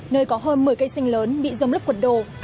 nơi có hơn một mươi cây xanh lớn bị giống lúc quật đồ